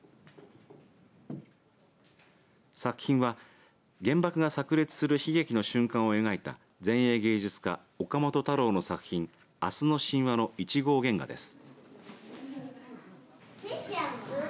作品は原爆がさく裂する悲劇の瞬間を描いた前衛芸術家、岡本太郎の作品明日の神話の１号原画です。